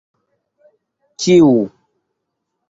ĉiu